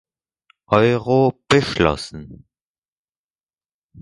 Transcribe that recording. Euro beschlossen.